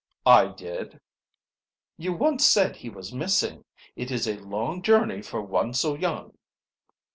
"I did." "You once said he was missing. It is a long journey for one so young."